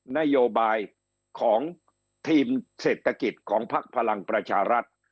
นโยบายของทีมเศรษฐกิจของพักพลังประชารัฐ